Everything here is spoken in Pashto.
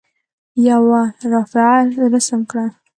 یوه رافعه رسم کړئ.